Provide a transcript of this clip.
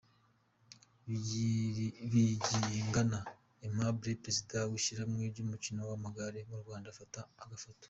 Bayingana Aimable Perezida w'ishyirahamwe ry'umukino w'amagare mu Rwanda afata agafoto.